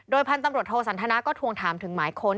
พันธุ์ตำรวจโทสันทนาก็ทวงถามถึงหมายค้น